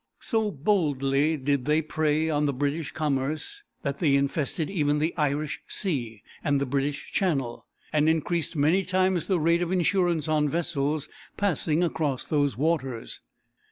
So boldly did they prey on the British commerce, that they infested even the Irish Sea and the British Channel, and increased many times the rate of insurance on vessels passing across those waters.